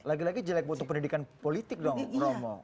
lagi lagi jelek untuk pendidikan politik dong romo